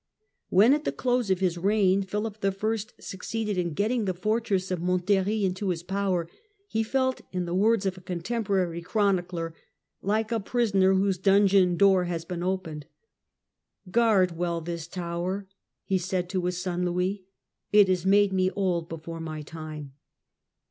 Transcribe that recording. When, at the close of his reign, Philip I. succeeded in getting the fortress of Montlhery into his power, he felt, in the words of a contemporary chronicler, like a prisoner whose dungeon door has been opened. " Guard well this tower," he said to his son Louis, '* it has made me old before my time."